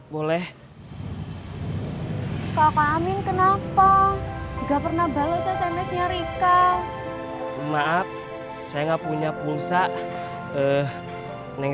boleh kakak amin kenapa enggak pernah balas sms nya rika maaf saya enggak punya pulsa eh